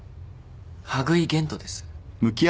羽喰玄斗です。